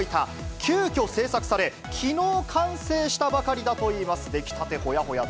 急きょ制作され、きのう完成したばかりだといいます。